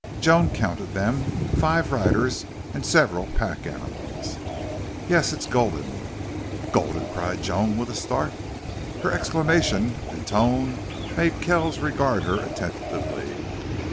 Joan counted them five riders, and several pack animals. "Yes. It's Gulden." "Gulden!" cried Joan, with a start. Her exclamation and tone made Kells regard her attentively.